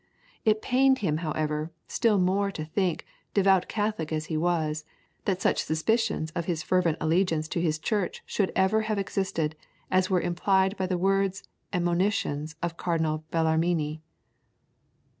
It pained him, however, still more to think, devout Catholic as he was, that such suspicions of his fervent allegiance to his Church should ever have existed, as were implied by the words and monitions of Cardinal Bellarmine.